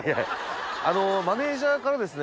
マネジャーからですね。